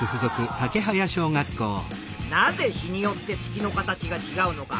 なぜ日によって月の形がちがうのか？